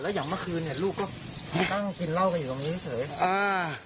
อย่างเมื่อคืนเนี่ยลูกก็นั่งกินเหล้ากันอยู่ตรงนี้เฉยอ่า